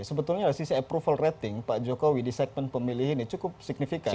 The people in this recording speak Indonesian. sebetulnya dari sisi approval rating pak jokowi di segmen pemilih ini cukup signifikan